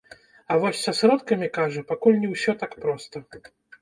А вось са сродкамі, кажа, пакуль не ўсё так проста.